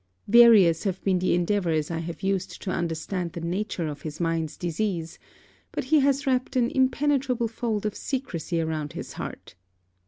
Various have been the endeavours I have used to understand the nature of his mind's disease; but he has wrapped an impenetrable fold of secresy around his heart.